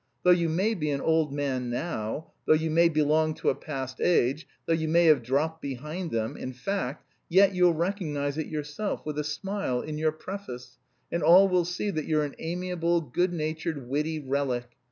Though you may be an old man now, though you may belong to a past age, though you may have dropped behind them, in fact, yet you'll recognise it yourself, with a smile, in your preface, and all will see that you're an amiable, good natured, witty relic...